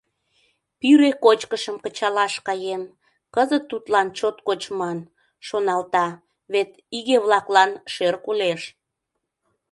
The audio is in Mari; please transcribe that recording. «Пире кочкышым кычалаш каен, кызыт тудлан чот кочман, — шоналта, — вет иге-влаклан шӧр кӱлеш.